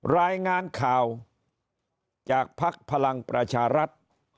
รายงานข่าวจากภักดิ์พลังประชารัฐ